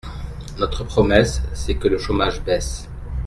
Notre promesse, c’est que le chômage baisse.